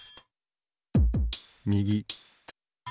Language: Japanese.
みぎ。